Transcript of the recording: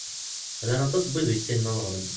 Llan aṭas n wid ur yessinen ad ɣren.